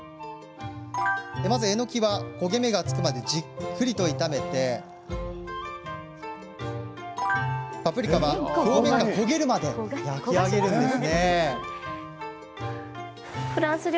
えのきは焦げ目がつくまでじっくりと炒めパプリカは表面が焦げるまで焼き上げます。